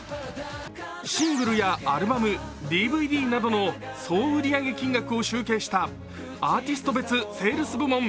シングルやアルバム、ＤＶＤなどの総売上金額を集計したアーティスト別セールス部門。